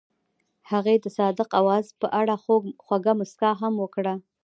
هغې د صادق اواز په اړه خوږه موسکا هم وکړه.